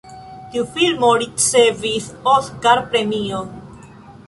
Tiu filmo ricevis Oskar-premion.